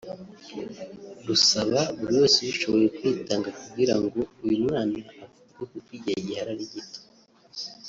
rusaba buri wese ubishoboye kwitanga kugirango uyu mwana avurwe kuko igihe gihari ari gito